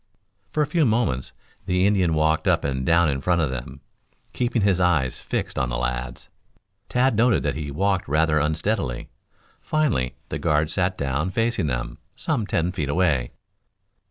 For a few moments the Indian walked up and down in front of them, keeping his eyes fixed on the lads. Tad noted that he walked rather unsteadily. Finally, the guard sat down facing them, some ten feet away.